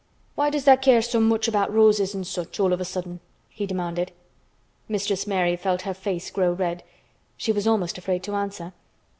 "Why does tha' care so much about roses an' such, all of a sudden?" he demanded. Mistress Mary felt her face grow red. She was almost afraid to answer.